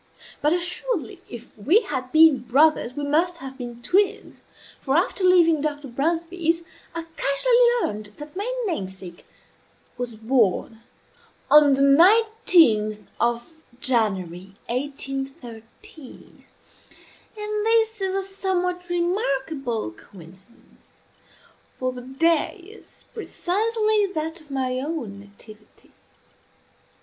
But assuredly if we had been brothers we must have been twins; for, after leaving Dr. Bransby's, I cassually learned that my namesake was born on the nineteenth of January, 1813; and this is a somewhat remarkable coincidence; for the day is precisely that of my own nativity.